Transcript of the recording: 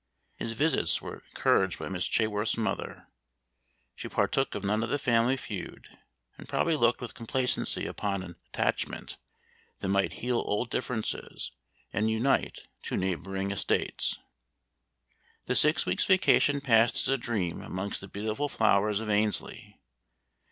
His visits were encouraged by Miss Chaworth's mother; she partook of none of the family feud, and probably looked with complacency upon an attachment that might heal old differences and unite two neighboring estates. The six weeks' vacation passed as a dream amongst the beautiful flowers of Annesley.